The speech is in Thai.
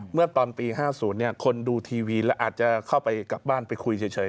เมื่อตอนปี๕๐คนดูทีวีแล้วอาจจะเข้าไปกลับบ้านไปคุยเฉย